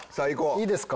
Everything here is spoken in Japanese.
いいですか？